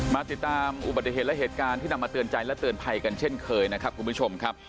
มาติดตามอุบัติเหตุและเหตุการณ์ที่นำมาเตือนใจและเตือนภัยกันเช่นเคยนะครับคุณผู้ชมครับ